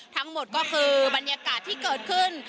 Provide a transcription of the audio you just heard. ทั้งหมดก็คือบรรยากาศที่เกิดขึ้น